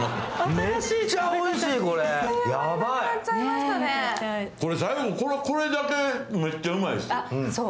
これ最後、これだけめっちゃうまいです。